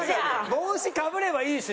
帽子かぶればいいし。